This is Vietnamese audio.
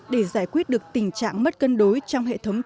để giải quyết được tình trạng mất cân đối trong hệ thống trăm xá